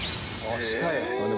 下や。